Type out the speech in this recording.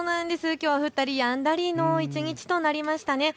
きょう降ったりやんだりの一日となりましたね。